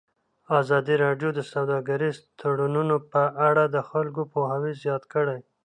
ازادي راډیو د سوداګریز تړونونه په اړه د خلکو پوهاوی زیات کړی.